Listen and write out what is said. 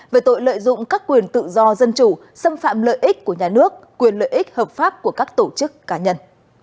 về tội lợi dụng các quyền tự do dân chủ xâm phạm lợi ích của nhà nước quyền lợi ích hợp pháp của các tổ chức cá nhân